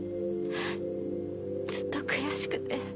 ずっと悔しくて。